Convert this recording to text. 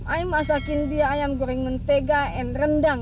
ayah masakin dia ayam goreng mentega dan rendang